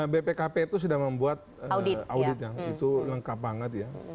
bpkp itu sudah membuat audit yang lengkap banget